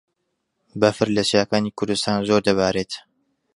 بەفر لە چیاکانی کوردستان زۆر دەبارێت.